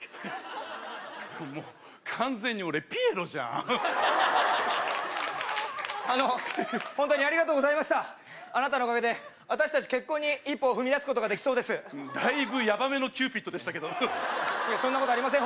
もう完全に俺ピエロじゃんあのホントにありがとうございましたあなたのおかげで私達結婚に一歩踏み出すことができそうですだいぶヤバめのキューピッドでしたけどそんなことありません